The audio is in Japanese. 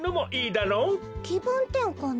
きぶんてんかんね。